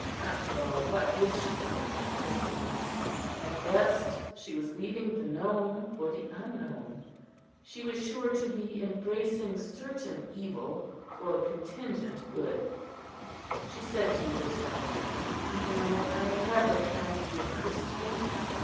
After all, what did she know of Christians?—at best she was leaving the known for the unknown: she was sure to be embracing certain evil for contingent good. She said to herself, "No, I never can be a Christian."